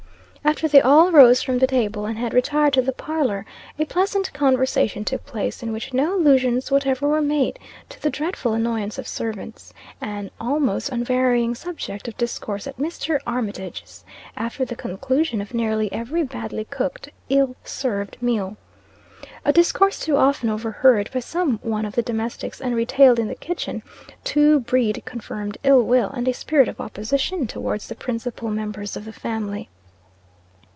After they all rose from the table, and had retired to the parlor, a pleasant conversation took place, in which no allusions whatever were made to the dreadful annoyance of servants, an almost unvarying subject of discourse at Mr. Armitage's, after the conclusion of nearly every badly cooked, illy served meal. A discourse too often overheard by some one of the domestics and retailed in the kitchen, to breed confirmed ill will, and a spirit of opposition towards the principal members of the family.